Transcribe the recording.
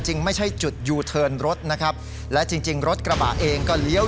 จริงไม่ใช่จุดยูเทิร์นรถนะครับและจริงจริงรถกระบะเองก็เลี้ยว